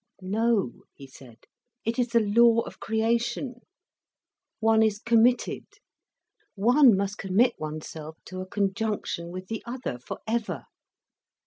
"No," he said, "it is the law of creation. One is committed. One must commit oneself to a conjunction with the other—for ever.